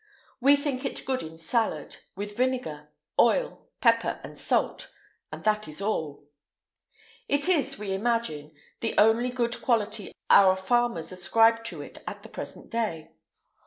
We think it good in salad, with vinegar, oil, pepper, and salt, and that is all. It is, we imagine, the only good quality our farmers ascribe to it at the present day.